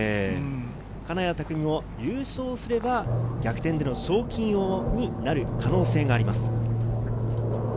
金谷拓実も優勝すれば逆転での賞金王になる可能性があります。